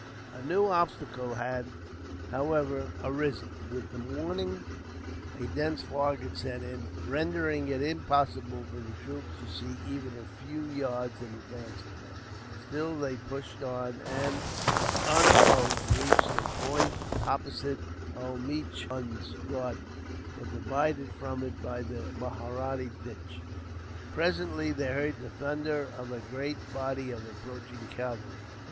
A new obstacle had, however, arisen. With the morning a dense fog had set in, rendering it impossible for the troops to see even a few yards in advance of them. Still they pushed on and, unopposed, reached a point opposite Omichund's garden, but divided from it by the Mahratta Ditch. Presently they heard the thunder of a great body of approaching cavalry.